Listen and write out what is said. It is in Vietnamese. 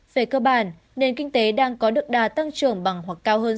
về cơ bản nền kinh tế đang có được đà tăng trưởng bằng hoặc cao hơn